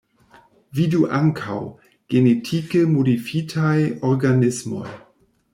Vidu ankaŭ: Genetike modifitaj organismoj.